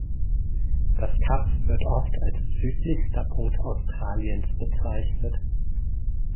Das Kap wird oft als „südlichster Punkt Australiens“ bezeichnet.